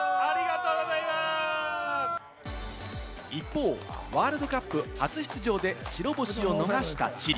一方、ワールドカップ初出場で白星を逃したチリ。